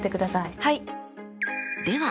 はい。